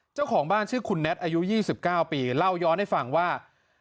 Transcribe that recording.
เจ้าของบ้านชื่อคุณแนทอายุยี่สิบเก้าปีเล่าย้อนให้ฟังว่า